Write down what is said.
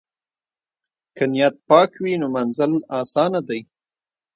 که نیت پاک وي نو منزل آسانه دی.